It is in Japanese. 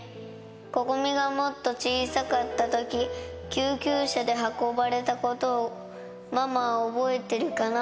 心々咲がもっと小さかったとき、救急車で運ばれたことを、ママは覚えてるかな？